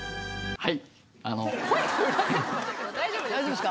はい。